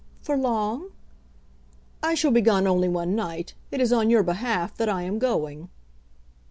"For long?" "I shall be gone only one night. It is on your behalf that I am going."